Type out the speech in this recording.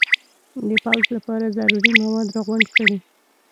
د پوځ لپاره ضروري مواد را غونډ کړي.